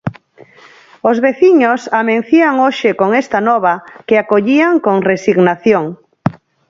Os veciños amencían hoxe con esta nova que acollían con resignación.